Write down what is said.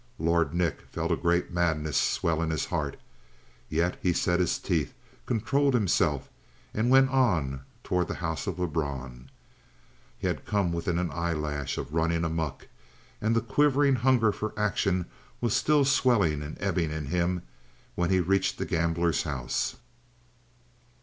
Lord Nick felt a great madness swell in his heart. Yet he set his teeth, controlled himself, and went on toward the house of Lebrun. He had come within an eyelash of running amuck, and the quivering hunger for action was still swelling and ebbing in him when he reached the gambler's house.